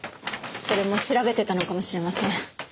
それも調べてたのかもしれません。